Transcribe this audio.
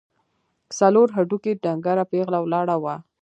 څلور هډوکي، ډنګره پېغله ولاړه وه.